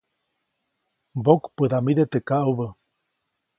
Mbokpäʼdamide teʼ kaʼubä.